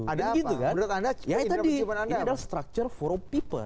ada apa menurut anda ini adalah struktur for all people